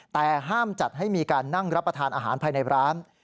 แต่ห้ามจัดให้มีการนั่งรับประทานอาหารภายในร้าน